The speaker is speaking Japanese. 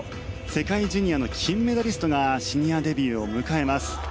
世界ジュニアの金メダリストがシニアデビューを迎えます。